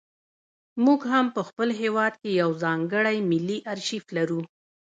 موږ هم په خپل هېواد کې یو ځانګړی ملي ارشیف لرو.